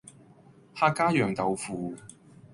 客家釀豆腐